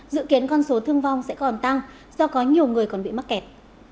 dự kiến con số thương vong sẽ còn tăng do có nhiều người còn bị mắc kẹt